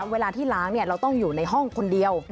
เวลาที่ล้างเราต้องอยู่ในห้องคนเดียว